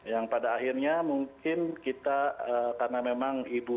yang pada akhirnya mungkin kita karena memang ibu